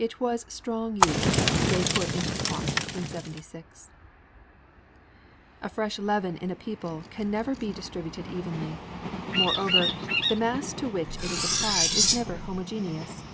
It was strong yeast they put into the pot in '76. A fresh leaven in a people can never be distributed evenly. Moreover, the mass to which it is applied is never homogeneous.